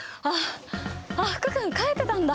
あっ福君帰ってたんだ。